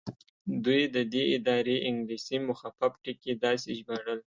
دوی د دې ادارې انګلیسي مخفف ټکي داسې ژباړل.